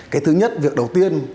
cái thứ nhất việc đầu tiên